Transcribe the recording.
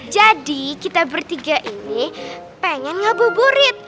jadi kita bertiga ini pengen ngeburit